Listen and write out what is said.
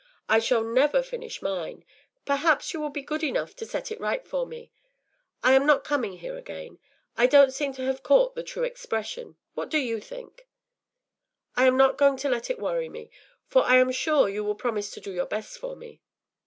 I shall never finish mine; perhaps you will be good enough to set it right for me. I am not coming here again. I don’t seem to have caught the true expression; what do you think? But I am not going to let it worry me, for I am sure you will promise to do your best for me.